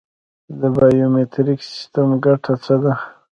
د بایومتریک سیستم ګټه څه ده؟